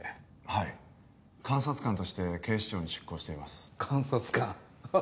はい監察官として警視庁に出向しています監察官？